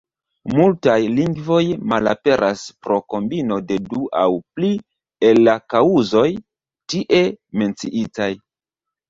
Multaj lingvoj malaperas pro kombino de du aŭ pli el la kaŭzoj tie menciitaj.